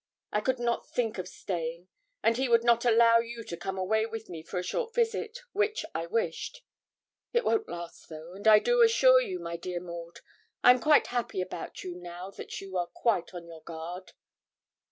I could not think of staying, and he would not allow you to come away with me for a short visit, which I wished. It won't last, though; and I do assure you, my dear Maud, I am quite happy about you now that you are quite on your guard.